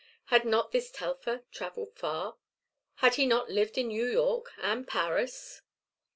Had not this Telfer travelled far? Had he not lived in New York and Paris?